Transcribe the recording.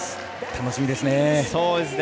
楽しみですね。